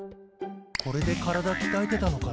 これで体きたえてたのかな？